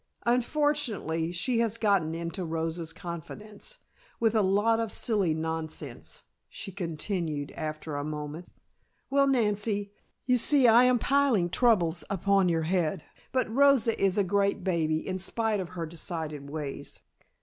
"Unfortunately she has gotten into Rosa's confidence, with a lot of silly nonsense," she continued after a moment. "Well, Nancy, you see I am piling troubles upon your head, but Rosa is a great baby in spite of her decided ways.